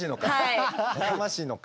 やかましいのか？